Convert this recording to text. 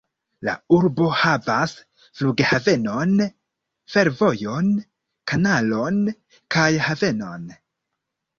La urbo havas flughavenon, fervojon, kanalon kaj havenon.